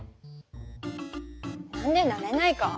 何でなれないか？